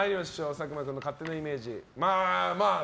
佐久間君の勝手なイメージ。